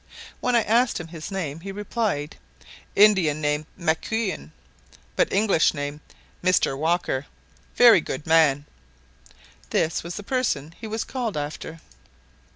When I asked his name, he replied, "Indian name Maquin, but English name 'Mister Walker,' very good man;" this was the person he was called after.